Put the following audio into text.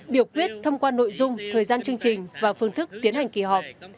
biểu quyết thông qua nội dung thời gian chương trình và phương thức tiến hành kỳ họp